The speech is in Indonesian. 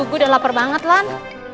udah lapar banget lan